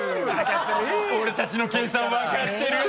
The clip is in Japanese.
俺たちの計算分かってる！